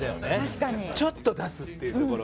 ちょっと出すっていうところ。